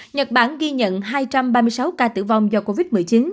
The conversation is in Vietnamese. nhật bản ghi nhận hai trăm ba mươi sáu ca tử vong do covid một mươi chín